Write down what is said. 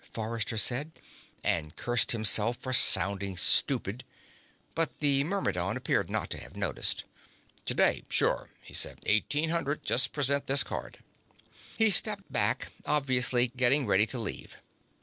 Forrester said, and cursed himself for sounding stupid. But the Myrmidon appeared not to have noticed. "Today, sure," he said. "Eighteen hundred. Just present this card." He stepped back, obviously getting ready to leave.